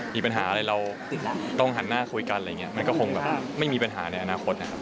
มีปัญหาอะไรเราต้องหันหน้าคุยกันมันก็คงแบบไม่มีปัญหาในอนาคตนะครับ